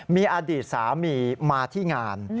มีอดีตสามีมาที่งาน